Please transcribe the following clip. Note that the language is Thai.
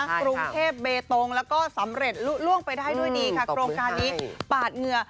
กรุงเทพเบตงแล้วก็สำเร็จลุล่วงไปได้ด้วยดีค่ะโครงการนี้ปาดเหงื่อ